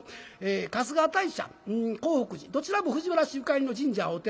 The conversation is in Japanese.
春日大社興福寺どちらも藤原氏ゆかりの神社お寺。